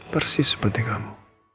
persis seperti kamu